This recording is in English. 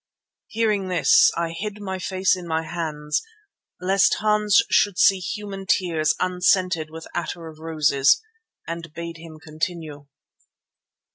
Hearing this, I hid my face in my hands lest Hans should see human tears unscented with attar of roses, and bade him continue.